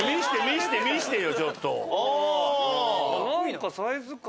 何かサイズ感。